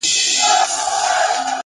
علم د ناپوهۍ زنجیر ماتوي!